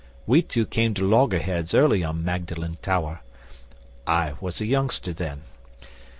We two came to loggerheads early on Magdalen Tower. I was a youngster then.